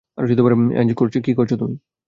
অ্যাঞ্জ, কী করছ তুমি?